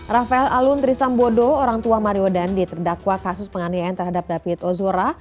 rafael alun trisambodo orang tua mario dandi terdakwa kasus penganiayaan terhadap david ozora